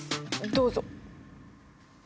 どうぞ。